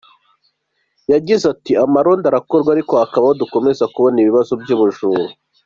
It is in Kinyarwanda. Yagize ati “Amarondo arakorwa ariko hakaba aho dukomeza kubona ibibazo by’ubujura.